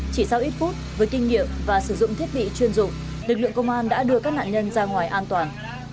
chỉ sau ít phút với kinh nghiệm và sử dụng thiết bị chuyên dụng lực lượng công an đã đưa các nạn nhân ra ngoài an toàn